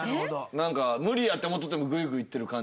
無理やって思っててもグイグイいってる感じ。